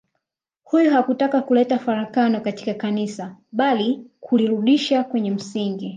Huyo hakutaka kuleta farakano katika Kanisa bali kulirudisha kwenye msingi